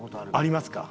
ありますか。